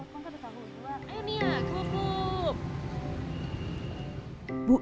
ayo nia kerupuk